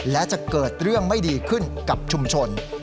และจะเกิดเรื่องไม่ดีขึ้นกับชุมชน